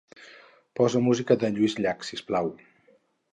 Posa música de Lluís Llach, si us plau.